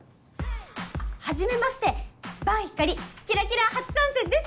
はじめまして伴ひかりキラキラ初参戦です！